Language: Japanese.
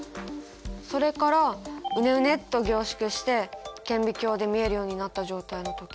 それからウネウネッと凝縮して顕微鏡で見えるようになった状態の時。